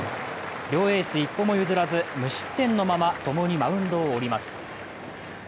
両エース一歩も譲らず、無失点のままともにマウンドを降ります。